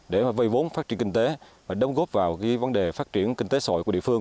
để vây vốn phát triển kinh tế và đồng góp vào vấn đề phát triển kinh tế xã hội của địa phương